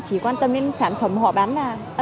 chỉ quan tâm đến sản phẩm họ bán hàng